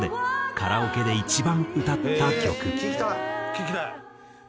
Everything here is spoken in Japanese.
「聴きたい！」